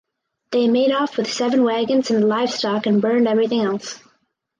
They made off with seven wagons and the livestock and burned everything else.